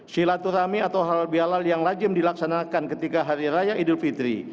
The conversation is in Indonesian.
silaturahmi atau halal bihalal yang lajim dilaksanakan ketika hari raya idul fitri